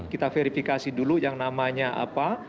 kita verifikasi dulu yang namanya apa